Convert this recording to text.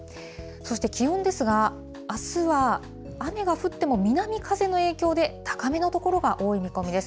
そして気温ですが、あすは雨が降っても、南風の影響で高めの所が多い見込みです。